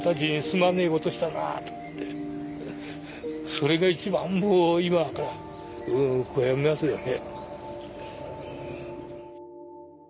それが一番もう今悔やみますよね。